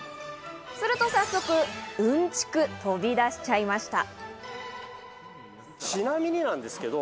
すると早速、うんちく飛び出しちゃいました。